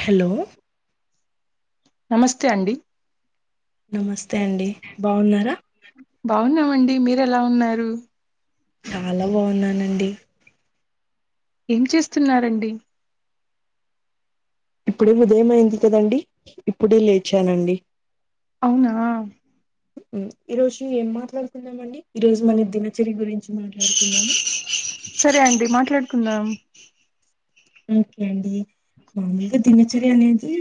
Hello నమస్తే అండి నమస్తే అండి బావున్నారా బావున్నామండి మీరెలా ఉన్నారు చాలా బావున్నానండి ఏం చేస్తున్నారండి ఇప్పుడే ఉదయం అయింది కదండి ఇప్పుడే లేచానండి అవునా ఈ రోజు ఏం మాట్లాడుతున్నామండి ఈ రోజు మన దినచర్య గురిం చి మాట్లాడుకుందామా కుందాం ఓకే అండి మామూలుగా దినచర్య అనేది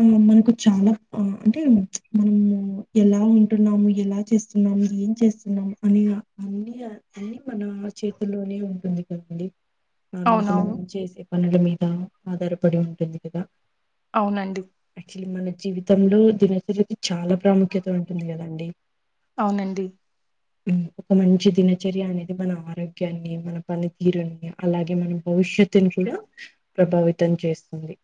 ఆ మనకు చాలా అంటే మనము ఎలా మనకు మ్మ్ ఆ మనకు చాలా అంటే మ్చ్ మనము ఎలా ఉంటున్నాము ఎలా చేస్తున్నాము ఏం చేస్తున్నాం అనే ఐడియా అన్ని మన చేతుల్లోనే ఉంటుంది కదండి నార్మల్ గా అవునవును మనం చేస్ పనలు మీదా ఆధారపడి ఉంటంది కదా అవునండి చిలి మన జీవితంలో దినచరి చాలా ప్రాముఖ్యత ఉంటుంది కదండీ అవునండి మ్మ్ ఒక మంచి దినచర్య అనేది మన ఆరోగ్యాన్ని మన పనితీరుని అలాగే మన భవిష్యత్ త్తుని కూడా ప్రభావితం చేస్తుంది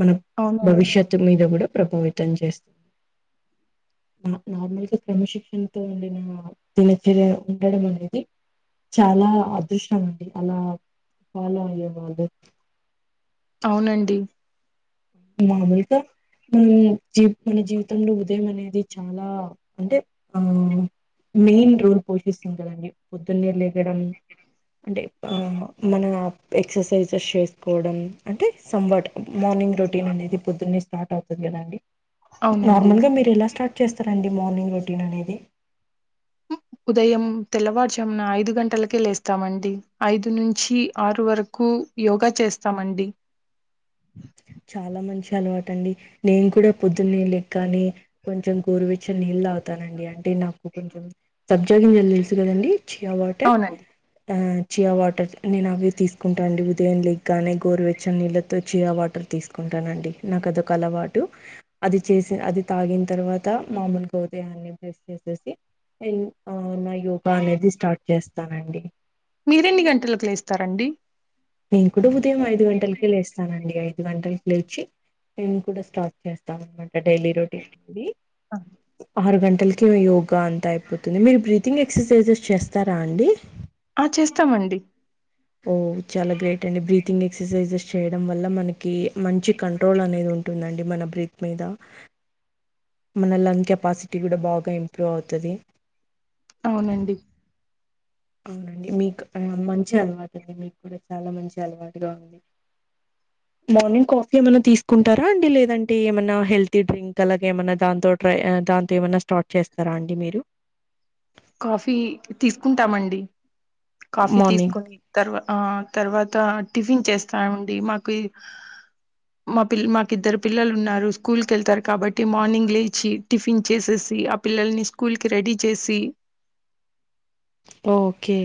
మన అవునండి భవిష్యత్ మీద గూడా ప్రభావితం చేస్తుంది నార్మల్గా క్రమశిక్షణతో ఉండిన దినచర్య ఉండడం అనేది చాలా అదృష్టం అండి అలా ఫాలో అయ్యే అదే అవునండి మామూలుగా మ్మ్ జీ మన జీవితం లో ఉదయం అనేది చాలా అంటే ఆ మెయిన్ రోల్ పోషిస్తుంది కదండి పొద్దున్నే లేగడం అంటే ఆ మన ఎక్సర్సైజ్ ఎష్ చేసుకోవడం అంటే సం వాట్ మార్నింగ్ రో అనేది పొద్దున్నేస్ స్టార్ట్ అవుతుంది కదండి అవునండి నార్మల్ గా మీరు ఎలా స్టార్ట్ చేస్తారండి మార్నింగ్ రో టిన్ అనేది ఉదయం తెల్లవారుజామున ఐదు గంటలకే లేస్తామండి ఐదు నుంచి ఆరు వరకు యోగా చేస్తామండి చాలా మంచి అలవాటండి నేను కూడా పొద్దున్నే లెగ్గానే కొంచెం గోరువెచ్చని నీళ్ళు తాగుతానండి అంటే నాకు కొంచెం సబ్జాగింజలు తెలుసు కదండి చియా వాటర్ అవునండి ఆ చియా వాటర్ నేనవి తీసుకుంటా అండి ఉదయం లెగ్గానే గోరువెచ్చని నీళ్ళతో చియా వాటర్ తీసుకుంటానండి నాకు అదొక అలవాటు అది చేసి అది తాగిన తర్వాత మామూలుగా ఉదయాన్నే బ్రెస్ చేసేసి ఎల్ ఆ నా యోగా అనేది స్టార్ట్ చేస్తానండి మీరెన్ని గంటలకి లేస్తారండి నేను కూడా ఉ దయం ఐదు గంటలకే లేేస్తానండి ఐదు గంటలకి లేచి నేన్ కూడా స్టార్ట్ చేస్తా అనమాట డైలీ రొటీన్ ఆ అరగం [unintelligible] యోగా అంత అయిపోతుంది మీరు బ్రీతింగ్ ఎక్సర్సైజెస్ చేస్ స్తారా అండి ఆ చేస్తామండి ఓ చాలా గ్రేట్ అండి బ్రీతింగ్ ఎక్సర్సైజెస్ చేయడం వల్ల మనకి కి మంచి కంట్రోల్ అనేది ఉంటుందండి మన బ్రీత్ మీద మన లంగ్ కెపాసిటీ కూడా బాగా ఇంప్రూవ్ అవుతది అవునండి అవునండి మీకు మంచి అలవాటు అండి మీకు కూడా చాలా మంచి అలవాటుగా ఉంది మార్నింగ్ కాఫీ ఏమన్నా తీసుకుంటారా అండి లేదంటే ఏమన్నా హెల్తీ డ్రింక్ అలాగ ఏమన్నా దాంతో ట్రై దాంతో ఏమన్నా స్టార్ట్ చేస్తారా అండి మీరు కాఫీ తీసుకుంటామండి కాఫీ మార్నింగ్ తీసుకొని తర్వా ఆ తర్వాత టిఫిన్ చేస్తామండి మాకు మా పిల్ మాకి ఇద్దరు పిల్లలు ఉన్నారు స్కూల్ కి వెళ్తారు కాబట్టి మార్నింగ్ లేచి టిఫిన్ చేసేసి ఆ పిల్లల్ని స్కూల్ కి రెడీ చేసి ఓకే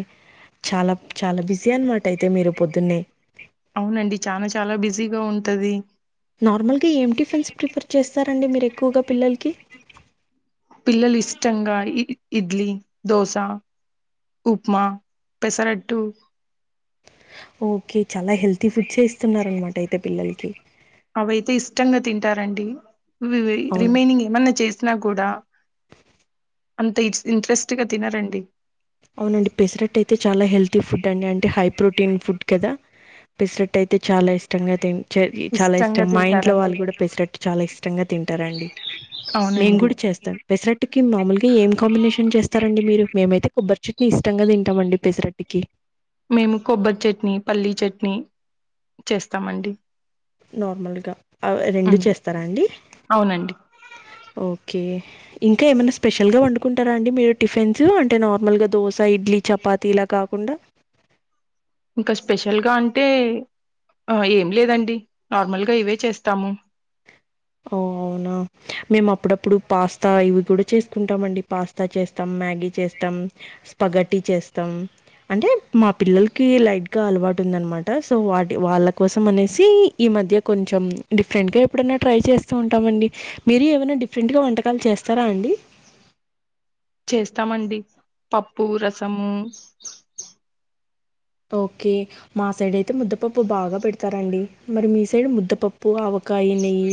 చాలా చాలా బి జీ అనమాట అయితే మీరు పొద్దున్నే అవునండి చాలా చాలా బిజీగా ఉంటది నార్మల్గా ఏం టిఫిన్స్ ప్రిఫర్ చేస్తారండి మీరు ఎక్కువగా పిల్లలకి పిల్లలు ఇష్టంగా ఇ ఇడ్లీ దోశ ఉప్మా పెసరట్టు ఓకే చాలా హెల్తీ ఫుడ్స్ చేస్తున్నారనమాట అయితే పిల్లలకి కే అవైతే ఇష్టంగా తింటారండి రివే అవునండి. రిమైనింగ్ ఏమన్నా చేసినా కూడా అంత ఇ ఇంట్రెస్ట్గా తినరండి అవునండి పెసరట్ అయితే చాలా హెల్తీ ఫుడ్ అండి అంటే హై ప్రోటీన్ ఫుడ్ కదా పెసరట్ అయితే చాలా ఇష్టంగా చే చాలా ఇష్టంగా మా ఇంట్లో వాళ్ళు కూడా పెసరట్టు చాలా ఇష్టంగా తింటారండి మేము అవునండి కూడా చేస్తాం పెసరట్టుకి మామూలుగా ఏం కాంబినేషన్ చేస్తారండి మీరు మేమైతే చట్ని ఇష్టంగా తింటామండి పెసరట్టికి మేము కొబ్బరి చట్నీ పల్లీ చట్నీ చేస్తామండి నార్మల్గా అవి రెండు చేస్తారా అండి అవునండి ఓకే ఇంకా ఏమైనా స్పెషల్ గా వండుకుంటారా అండి మీరు టిఫిన్స్ అంటే నార్మల్ గా దో స ఇడ్లీ చపాతిలా కాకు కుండ ఇంకా స్పెషల్ గా అంటే అ ఏం లేదండి నార్మల్గా ఇవే చేస్తాము ఓ అవునా మేము అప్పుడప్పుడు పాస్తా ఇవి కూడా చేసుకుంటామండి పాస్తా చేస్తాం మ్యాగీ చేస్తాం స్పగటి చేస్తాం అంటే మా పిల్లలకి లైట్ గా అలవాటు ఉందన్నమాట సో వాటి వాళ్ళ కోసం అనేసి ఈ మధ్య కొంచెం డిఫరెంట్ గా ఎప్పుడన్నా ట్రై చేస్తూ ఉంటామండి మీరు ఏవైనా డిఫరెంట్ గా వంటకాలు చేస్తారా అండి చేస్తామండి పప్పు రసము ఓకే మా సైడ్ అయితే ముద్దపప్పు బాగా పెడతారండి మరి మీ సైడ్ ముద్దపప్పు ఆవ కాయినాయి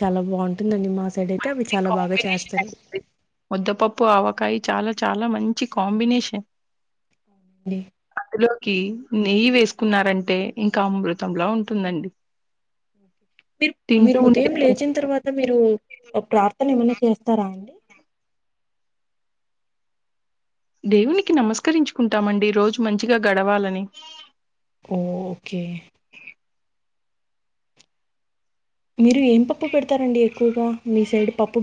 చాలా బావుం ఉందండి మా సైడయితే అవి చాలా బాగా చేస్తారు. ముద్దపప్పు ఆవకాయి చాలా చాలా మంచి కాంబినేషన్ డి లోకి నెయ్యి వేసుకున్నారంటే ఇంకా అమృతంలా ఉంటుందండి మీరు తింటూ మీరు ఉంటే ఉదయం లేచిన తర్వాత మీరు ఒ ప్రాప్ తను ఏమైనా చేస్తారా అండి దేవునికి నమస్కరించుకుంటామండి రోజు మంచిగా గడవాలని ఓ ఓకే మీరు ఏం పప్పు పెడతారండి ఎక్కువగా మీ సైడ్ పప్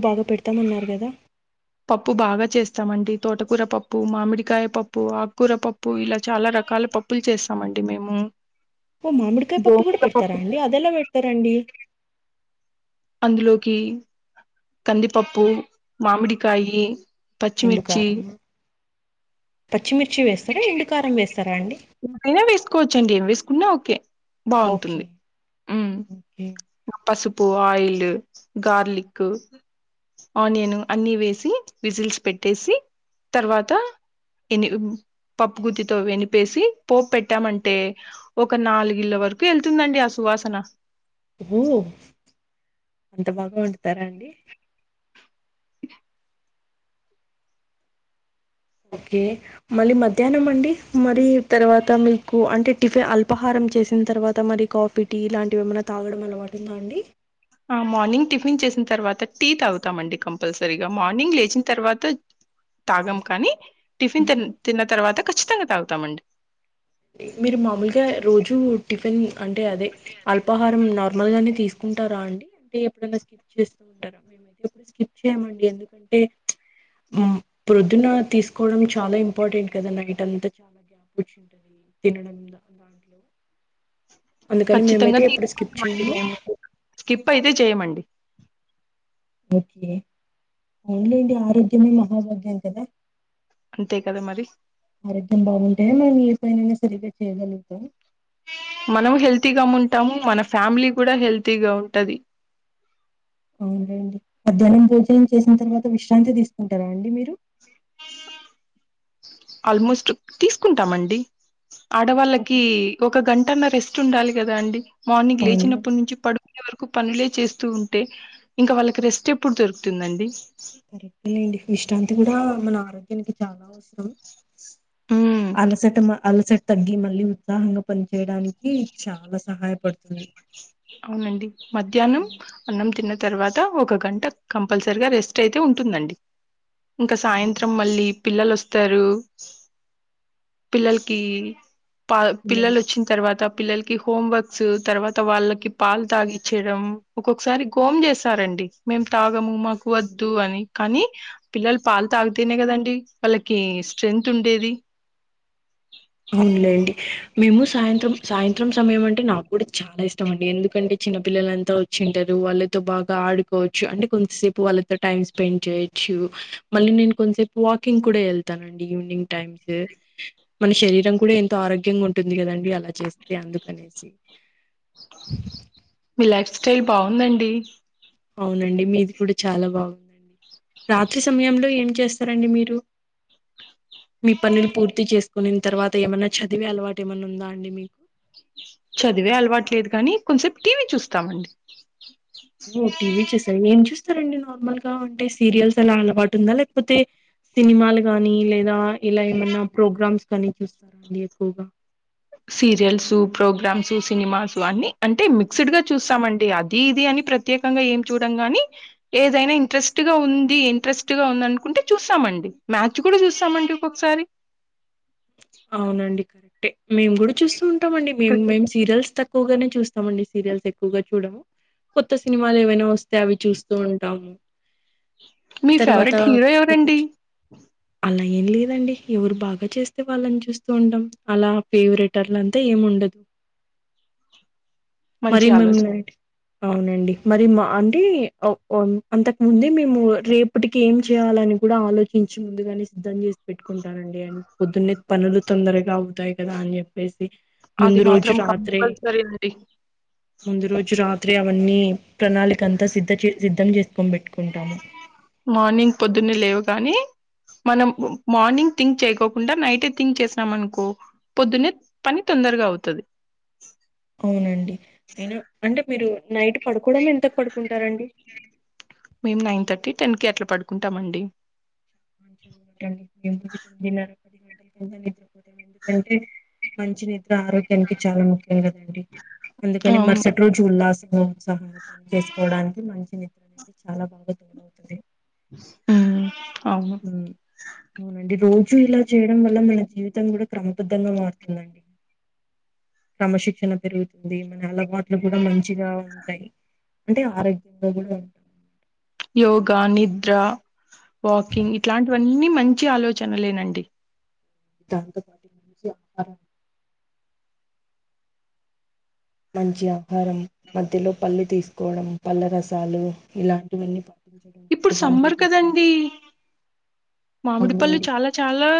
పప్పు బాగా చేస్తామండి తోటకూర పప్పు మామిడికాయ పప్పు ఆక్కూర పప్పు ఇలా చాలా రకాల పప్పులు చేస్తామండి మేము ఓ మామిడికాయ పప్పు కూడా గోంగూర పెడతారా పప్పు అండి అదెలా పెడతారండి లోకి కందిపప్పు మామిడి కాయీ పచ్చిమిర్చి ఎండుకారం పచ్చిమిర్చి వేస్తారా ఎండుకారం వేస్తారా అండి ఎంతైనా వేసుకోవచ్చండి ఏమి వేసుకున్నా ఓకే ఓకే బాగుంటుంది హుమ్ ఓకే పసుపు ఆయిల్ గార్లిక్ ఆనియన్ అన్ని వేసి విజిల్స్ పెట్టేసి తర్వాత ఎని పప్పుగుత్తితో ఎనిపేసి పోపు పెట్టామంటే ఒక నాలుగు ఇళ్ళ వరకు ఎళ్తుందండి ఆ సువాసన ఓ అంత బాగా వండుతారా అండి ఓకే మళ్ళీ మధ్యాహ్నం అండి మరి తర్వాత మీకు అంటే టిఫిన్ అల్పాహారం చేసిన తర్వాత మరి కాఫీ టీ లాంటివి ఏమైన్నా తాగడం అలవాటుందా అండి ఆ మార్నింగ్ టిఫిన్ చేసిన తర్వాత టీ తాగుతామండి కంపల్సరీగా మార్నింగ్ లేచిన తర్వాత తాగం కానీ టిఫిన్ తిన్ తిన్న తర్వాత ఖచ్చితంగా తాగుతామండి మీరు మామూలుగా రోజు టిఫిన్ అంటే అదే అల్పాహారం నార్మల్ గానే తీసు తింటారా అండి అంటే ఎప్పుడనా స్కిప్ చేస్తూ ఉంటారా మేమైతే ఎప్పుడూ స్కిప్ చేయమండి ఎందుకంటే ప్రొద్దున తీసుకోవడం చాలా ఇంపార్టెంట్ కదా నైట్ అంతా చాలా గ్యాప్ వచ్చి నాది తినడం ద దాంట్లో అందుకని ఖచ్చితంగా మేమైతే ఎప్పుడు స్కిప్ తీసుకుంటామండి చేయము మేము స్కిప్ అయితే చేయమండి ఓకే ఔన్లేండి ఆరోగ్యమే మహాభాగ్యం కదా అంతే కదా మరి అరోగ్యం బాగుంటేనే మరి [inaudible] సరిగ్గా చేయగలుగుతాం మనము హెల్తీగా ఉంటాము మన ఫ్యామిలీ కూడా హెల్తీగా ఉంటాది అవునండి మధ్యాహ్నం భోజనం చేసిన తర్వాత విశ్రాంతి తీసుకుంటారా అండి మీరు ఆల్మోస్ట్ తీసుకుంటామండి ఓకే. ఆడవాళ్ళకి ఒక గంటన్న రెస్ చుండాలి కదా అండి మార్నింగ్ అవునులే లేచినప్పటి నుంచి పడు ఇ వరకు పనులే చేస్తూ ఉంటే ఇంకా వాళ్ళకి రెస్ట్ ఎప్పుడు దొరుకుతుందండి కరెక్ట్ ఎ లేండి విష్టాంతిన్న కూడా మన ఆరోగ్యానికి చాలా అవసరం ఉమ్ అలసట్టమా అలసట్ తగ్గి మళ్ళీ ఉత్సాహంగా పనిచేయడానికి చాలా సహాయపడ్ అవునండి మధ్యాహ్నం అన్నం తిన్న తర్వాత ఒక గంట కంపల్సరిగా రెస్ట్ అయితే ఉంటుందండి ఇంకా సాయంత్రం మళ్ళీ పిల్లల్ ఒస్త్ తరు పిల్లలకి పా పిల్లలు అవునండి. ఒచ్చిన్ తర్వాత పిల్లలకి హోమ్ వర్క్స్ తర్వాత్ అ వాళ్ళకి పాలు తాగిచ్చడం ఒక్కొక్కసారి గోమ్ చేస్తారండి మేం తాగము మాకు వద్దు అని కానీ పిల్లలు పాలు తాగితేనే కదండి వాళ్ళకి స్ట్రెంగ్త్ ఉండేది అవునులేండి మేము సాయంత్రం సాయంత్రం ఇష్టం ఏమంటే నాకు కూడా చాలా ఇష్టం అండి ఎందుకంటే చిన్నపిల్లలంతా వచ్చి ఉంటారు వాళ్ళతో బాగా ఆడుకోవచ్చు అంటే కొంతసేపు వాళ్ళతో టైమ్ స్పెండ్ చేయొచ్చు మళ్ళీ నేను కొంతసేపు వాకింగ్ కూడా వెళ్తానండి ఈవినింగ్ టైమ్స్ మన శరీరం కూడా ఎంత్ ఆరోగ్యంగా ఉంటుంది కదండి అలా చేస్తే అందుకనేసి రీలాక్స స్టైల్ బాగుందండి అవునండి మీది కూడా చాలా బాగుందండి రాత్రి సమయంలో ఏం చేస్తారండి మీరు మీ పనులు పూర్తి చేసుకునిన తర్వాత ఏమన్నా చదివే అలవాటు ఏమన్నా ఉందా అండి మీకు కొంసేపు టీవీ చూస్తామండి ఓ టీవీ చూస ఏం చూస్ సరె అండి నార్మల్ గా అంటే సీరియల్స్ అలా అలవాటు ఉందా లేకపోతే సినిమాలు గానీ లేదా ఇలా ఏమన్నా ప్రోగ్రామ్స్ కానీ చూస్తారా అండి ఎక్కువగా సీరియల్స్ ప్రోగ్రామ్స్ సినిమాసు అన్ని అంటే మిక్స్డ్గా చూస్తామండి అది ఇది అని ప్రత్యేకంగా ఏం చూడం గాని ఏదైనా ఇంట్రెస్ట్గా ఉంది ఇంట్రెస్ట్గా ఉందినుకుంటే చూస్తామండి మ్యాచ్ కూడా చూస్తామండి ఒక్కొక్కసారి అవునండి కరెక్టే మేము కూడా చూస్తూ ఉంటాం అండి మే క్రికెట్. మేం సీరియల్స్ తక్ క్కువగానే చూస్తామండి సీరియల్స్ ఎక్కువగా చూడము కొత్త సినిమాలు ఏవైనా వస్తే అవి చూస్తూ ఉంటాము మీ తర్వాత ఫేవరెట్ హీరో క్రికెట్ ఎవరండి అలా ఏం లేదండి ఎవరు బాగా చేస్తే వాళ్ళని చూస్తూ ఉంటాం అలా ఫెవరెటఅట్లాంతా ఏం ఉండదు మరి మంచి మేం ఆలోచన. నైట్ అవునండి మరి మా అంటే ఔ ఔన్ అంతకు ముందే మేము రేపటికి ఏం చేయాలని కూడా ఆలోచించి ముందుగానే సిద్ధం చేసి పెట్టుకుంటానండి అండ్ పొద్దున్నే పనులు తొందరగా అవుతాయి కదా అని చెప్పేసి అది ముందు రోజు మాత్రం తప్పకుండా. రాత్రే కంపల్సరీ అండి ముందు రోజు రాత్రి అవన్నీ ప్రణాళికంతా సిద్ జె సిద్ధం చేసికొని పెట్టుకుంటాము మార్నింగ్ పొద్దున్నే లేవగానే మనం మార్నింగ్ థింక్ చేయకోకుండా నైటే థింక్ చేసినాం అనుకో పొద్దున్నే పని తొందరగా అవుతది అవునండి అయినా అంటే మీరు నైట్ పడుకోవడం ఎంతకు పడుకుంటారండి మేము నైన్ థర్టీ, టెన్ కీ అట్లా పడుకుంటామండి మంచిండిటి తొమ్మిదిన్నర పది గంటల కింద నిద్రపోతాం ఎందుకంటే మంచి నిద ఆరోగ్యానికి చాలా ముఖ్యం కదండి అందుకని అవును. మరుసటి రోజు ఉల్లాసం సహాయ పని చేసుకోవడానికి మంచి నిద్ర అనేది చాలా బాగా తోడవుతుంది ఉమ్ అవునండి రోజు ఇలా చేయడం వల్ల మన జీవితం కూడా క్రమబద్ధంగా మారుతుందండి క్రమశిక్షణ పెరుగుతుంది మన అలవాట్లు టులు కూడా మంచిగా ఉంటాయి అంటే ఆరోగ్యంగా కూడా ఉం యోగా నిద్ర వాకింగ్ ఇట్లాంటివన్నీ మంచి ఆలోచనలేనండి దాంతో పాటు మంచి ఆహారం మంచి ఆహారం మధ్యలో పళ్ళు తీసుకోవడం పల్ల రసాలు ఇలాంటివన్నీ ప ఇప్పుడు సమ్మర్ కదండి మామిడి పళ్ళు అవునండి చాలా చాలా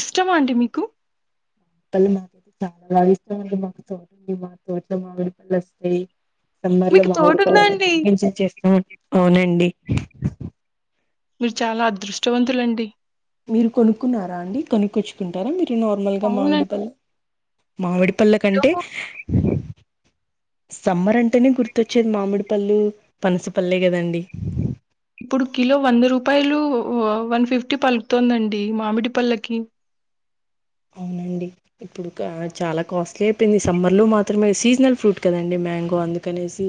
ఇష్టమా అండి మీకు మాపల్ళ మాకైతే చాలా బాగా ఇష్టం అండి మాకు తోటుంది మా తోటలో మామిడి పండ్లు వస్తయి సమ్మర్ లో మీకు మాముడి తోటుందా పండ్లని అండి? బాగా ఎంజాయ్ చేస్తూ అవునండి మీరు చాలా అదృష్టవంతులండి మీరు కొనుక్కున్నారా అండి కొనుక్కొచ్చుకుంటారా మీరు నార్మల్ గా మామిడి అవునండి. పళ్ళు మామిడి పళ్ళ కిలో కంటే సమ్మర్ అంటేనే గుర్తొచ్చేది మామిడి పళ్ళు పనసపల్లె కదండి ఇప్పుడు కిలో వంద రూపాయలు వన్ ఫిఫ్టీ పలుకుతుందండి మామిడి పళ్ళకి అవునండి ఇప్పుడు ఆ చాలా కాస్ట్లీ అయిపోయింది సమ్మర్లో మాత్రమే సీజనల్ ఫ్రూట్ కదండి మ్యాంగో అందుకనేసి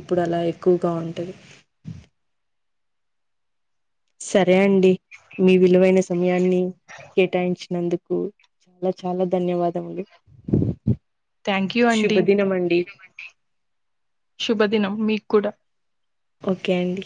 ఇప్పుడు అలా ఎక్కువగా ఉంటాది సరే అండి మీ విలువైన సమయాన్ని కేటాయించినందుకు చాలా చాలా ధన్యవాదములు థ్యాంక్ యూ అండి శుభదినం అండి శుభదినం మీక్ కుడ ఓకే అండి